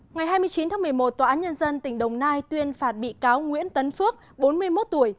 ngày hai mươi chín tháng một mươi một tòa án nhân dân tỉnh đồng nai tuyên phạt bị cáo nguyễn tấn phước bốn mươi một tuổi